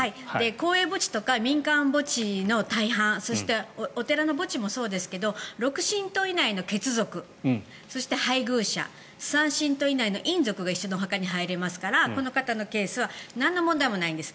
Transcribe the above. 公営墓地とか民間墓地の大半そしてお寺の墓地もそうですが６親等以内の血族そして配偶者３親等以内の姻族が一緒のお墓に入れますからこの方のケースはなんの問題もないんです。